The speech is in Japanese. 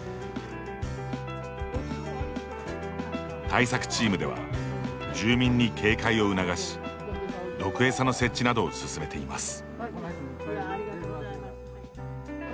対策チームでは住民に警戒を促し毒餌の設置などを進めています。